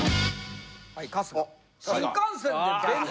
はい春日。